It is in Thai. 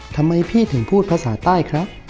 ทำไมพี่ถึงพูดภาษาใต้ครับ